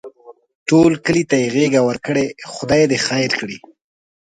ټول کلي ته یې غېږه ورکړې؛ خدای خیر کړي.